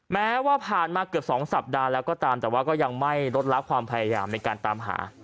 แม้ว่าผ่านมาเกือบ๒สัปดาห์แล้วก็ตามแต่ว่าก็ยังไม่ลดละความพยายามในการตามหา